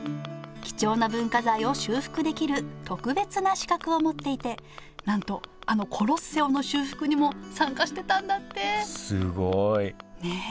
貴重な文化財を修復できる特別な資格を持っていてなんとあのコロッセオの修復にも参加してたんだってすごいねえ！